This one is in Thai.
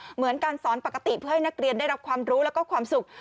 เหมือนการสอนปกติเพื่อให้นักเรียนได้รับความรู้แล้วก็ความสุข